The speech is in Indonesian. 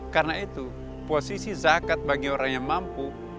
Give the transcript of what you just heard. karena itu posisi zakat bagi orang yang mampu